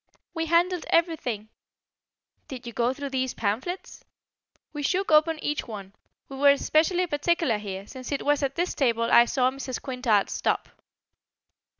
"We handled everything." "Did you go through these pamphlets?" "We shook open each one. We were especially particular here, since it was at this table I saw Mrs. Quintard stop."